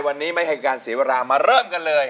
วันนี้ไม่ให้การเสียเวลามาเริ่มกันเลย